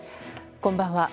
こんばんは。